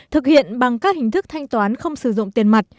thực hiện bằng các hình thức thanh toán không sử dụng tiền mặt